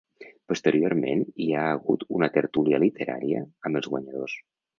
Posteriorment hi ha hagut una tertúlia literària amb els guanyadors.